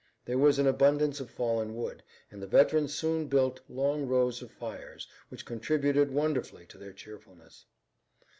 There was an abundance of fallen wood, and the veterans soon built long rows of fires which contributed wonderfully to their cheerfulness.